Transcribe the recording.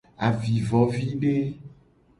Avivovide.